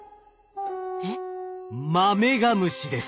マメガムシです。